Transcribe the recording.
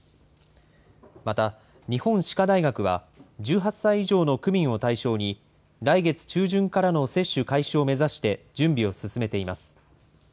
また、日本歯科大学は１８歳以上の区民を対象に、来月中旬からの接種開始を目指して、準備を進めています。